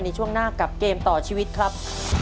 ในช่วงหน้ากับเกมต่อชีวิตครับ